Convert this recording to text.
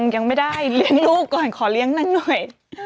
ยังไม่ได้เลี้ยงลูกก่อนขอเลี้ยงนางหน่อย